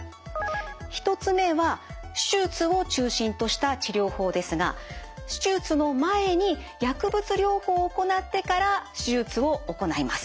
１つ目は手術を中心とした治療法ですが手術の前に薬物療法を行ってから手術を行います。